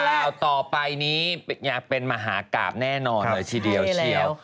อันนี้ข่าวต่อไปนี้อยากเป็นมหากราบแน่นอนเลยทีเดียวเฉียว